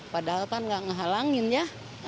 padahal kan gak ngehalangin ya